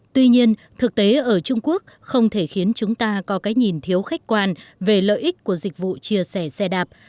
tuy nhiên thực tế ở trung quốc không thể khiến chúng ta có cái nhìn thiếu khách quan về lợi ích của dịch vụ chia sẻ xe đạp